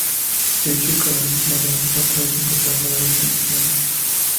De hecho, cada mes morían cuatro o cinco trabajadores en accidentes.